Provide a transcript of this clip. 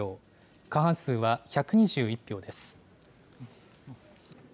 過半数は１２１票です。